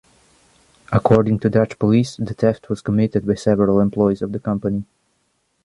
According to Dutch police, the theft was committed by several employees of the company.